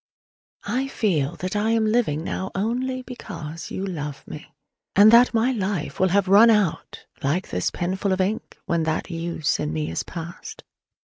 I feel that I am living now only because you love me: and that my life will have run out, like this penful of ink, when that use in me is past.